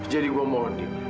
jadi gue mohon dil